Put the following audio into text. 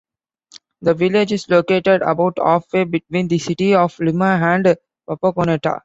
The village is located about halfway between the cities of Lima and Wapakoneta.